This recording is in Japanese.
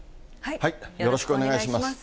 よろしくお願いします。